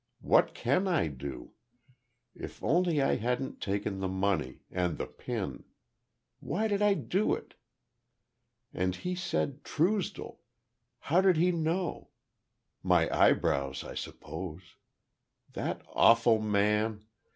"What can I do? If only I hadn't taken the money—and the pin. Why did I do it? And he said Truesdell! How did he know? My eyebrows, I suppose. That awful man!